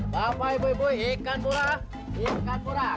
bapak ibu ibu ikan burah